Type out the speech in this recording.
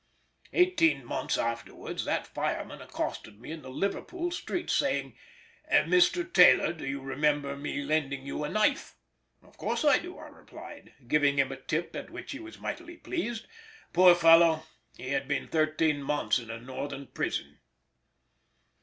Eighteen months afterwards that fireman accosted me in the Liverpool streets, saying, "Mr. Taylor, do you remember my lending you a knife." "Of course I do," I replied, giving him a tip at which he was mightily pleased: poor fellow, he had been thirteen months in a Northern prison.